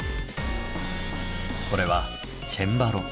これはチェンバロ。